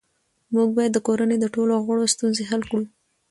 موږ باید د کورنۍ د ټولو غړو ستونزې حل کړو